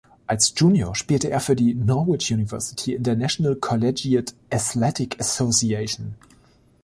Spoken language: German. Als Junior spielte er für die Norwich University in der National Collegiate Athletic Association.